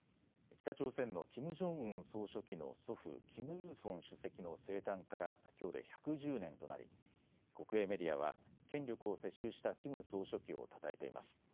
北朝鮮のキム・ジョンウン総書記の祖父、キム・イルソン主席の生誕からきょうで１１０年となり国営メディアは権力を世襲したキム総書記をたたえています。